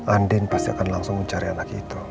andin pasti akan langsung mencari anak itu